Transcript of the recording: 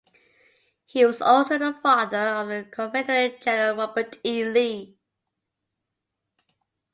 He was also the father of the Confederate General Robert E. Lee.